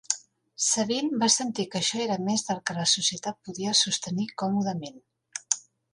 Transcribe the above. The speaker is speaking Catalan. Sabine va sentir que això era més del que la Societat podia sostenir còmodament.